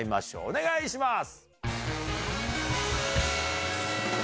お願いします！